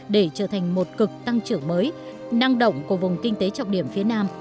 để trở thành một cực tăng trưởng mới năng động của vùng kinh tế trọng điểm phía nam